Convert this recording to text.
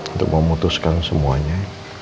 untuk memutuskan semuanya